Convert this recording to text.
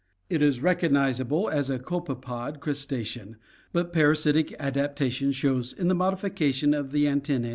It is recognizable as a copepod crustacean, but parasitic adaptation shows in the modification of the antenna?